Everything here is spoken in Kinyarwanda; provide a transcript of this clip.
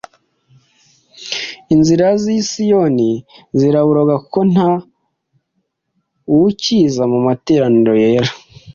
Inzira z’i Siyoni ziraboroga, Kuko ari nta wukīza mu materaniro yera.